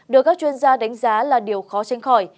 được các chuyên gia đánh giá là điều khó tránh khỏi